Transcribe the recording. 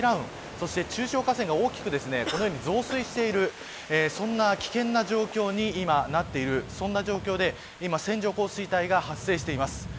そして中小河川が大きく増水しているそんな危険な状況になっている状況で今、線状降水帯が発生しています。